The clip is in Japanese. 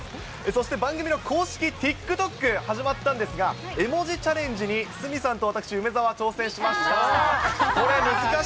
そして番組の公式ＴｉｋＴｏｋ、始まったんですが、絵文字チャレンジに鷲見さんと私、梅澤、挑戦しました。